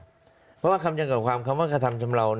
เพราะว่าคำยังกับความคำว่ากระทำชำเลา